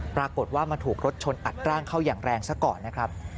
ปรากฏว่ามาถูกรถชนอัดร่างเข้าอย่างแรงซะก่อนนะครับ